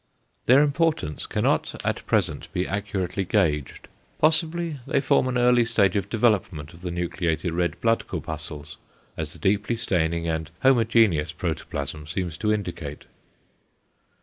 Their importance cannot at present be accurately gauged. Possibly they form an early stage of development of the nucleated red blood corpuscles, as the deeply staining and homogeneous protoplasm seems to indicate.